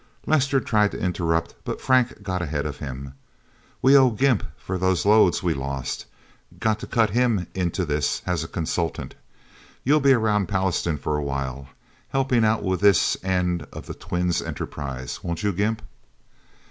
Lester tried to interrupt, but Frank got ahead of him. "We owe Gimp for those loads we lost. Got to cut him into this, as a consultant. You'll be around Pallastown for a while, helping out with this end of the Twin's enterprises, won't you, Gimp?"